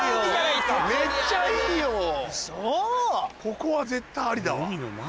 ここは絶対ありだわ。